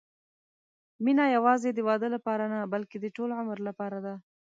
مینه یوازې د واده لپاره نه، بلکې د ټول عمر لپاره ده.